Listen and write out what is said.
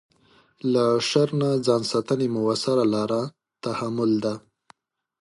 له شر نه ځان ساتنې مؤثره لاره تحمل ده.